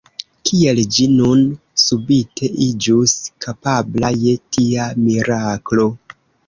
Kiel ĝi nun subite iĝus kapabla je tia miraklo?